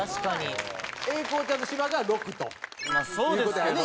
英孝ちゃんと芝が６という事やね